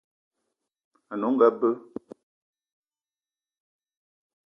Ane onga be.